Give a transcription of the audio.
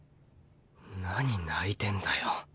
何泣いてんだよ？